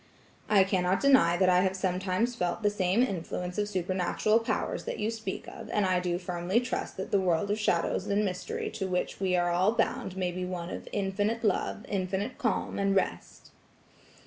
"I cannot deny that I have sometimes felt the same influence of supernatural powers that you speak of, and I do firmly trust that the world of shadows and mystery to which we are all bound may be one of infinite love, infinite calm and rest."